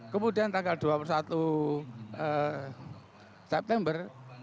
kemudian tanggal dua puluh satu september